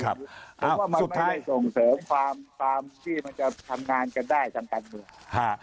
เพราะว่ามันไม่ได้ส่งเสริมความที่มันจะทำงานกันได้ทั้งกัน